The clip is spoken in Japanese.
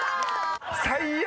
最悪！